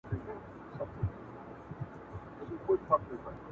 دلته څه شی کم دي